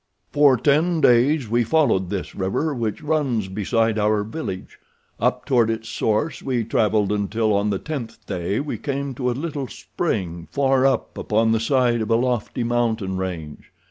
"For ten days we followed this river which runs beside our village. Up toward its source we traveled until on the tenth day we came to a little spring far up upon the side of a lofty mountain range.